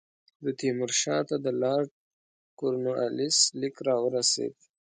د تیمور شاه ته د لارډ کورنوالیس لیک را ورسېد.